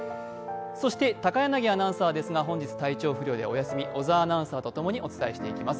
そして高柳アナウンサーですが本日体調不良でお休み、小沢アナウンサーとともにお伝えしていきます。